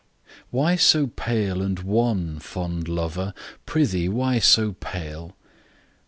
WHY so pale and wan, fond lover ? Prithee, why so pale